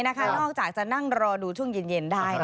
นอกจากจะนั่งรอดูช่วงเย็นได้